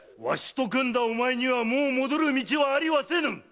わしと組んだお前にはもう戻る道はありはせぬ！